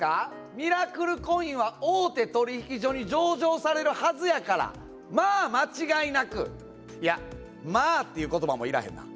ミラクルコインは大手取引所に上場されるはずやからまぁ間違いなく、いや、まぁっていうことばもいらへんな。